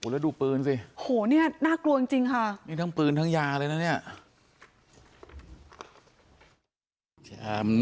แล้วดูปืนสินี่ทั้งปืนทั้งยาเลยนะเนี่ยโหนี่น่ากลัวจริงค่ะ